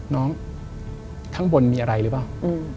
น้องข้างบนมีอะไรหรือเปล่า